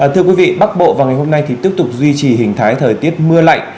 thưa quý vị bắc bộ và ngày hôm nay thì tiếp tục duy trì hình thái thời tiết mưa lạnh